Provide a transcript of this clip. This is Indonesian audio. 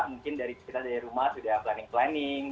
mungkin dari kita dari rumah sudah planning planning